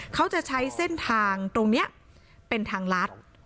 เขาจะใช้เส้นทางตรงนี้เป็นทางลัด